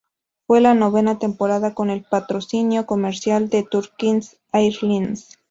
Fue la novena temporada con el patrocinio comercial de Turkish Airlines.